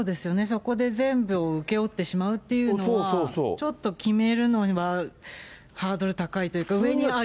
そこで全部を請け負ってしまうというのは、ちょっと決めるのにはハードル高いというか、上に上げたり。